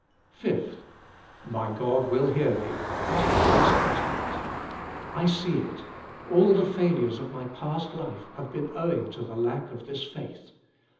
5. " My God will hear me" What a Uessed prospect ! I see it all the failures of my past life have been owing to the lack of this faith.